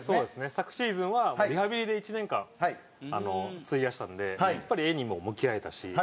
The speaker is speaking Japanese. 昨シーズンはリハビリで１年間費やしたんでやっぱり絵にも向き合えたし。